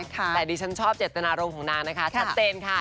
แต่ดิฉันชอบเจตนารมณ์ของนางนะคะชัดเจนค่ะ